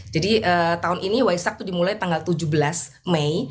jadi tahun ini waisak itu dimulai tanggal tujuh belas mei